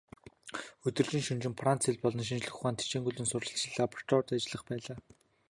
Өдөржин шөнөжин Франц хэл болон шинжлэх ухаанд хичээнгүйлэн суралцаж, лабораторид ажиллаж байлаа.